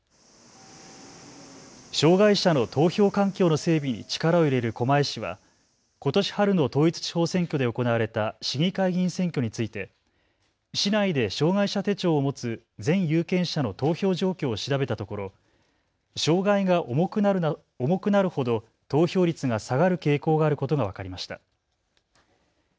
障害者の投票環境の整備に力を入れる狛江市はことし春の統一地方選挙で行われた市議会議員選挙について市内で障害者手帳を持つ全有権者の投票状況を調べたところ障害が重くなるほど投票率が下がる傾向があることが分かりました。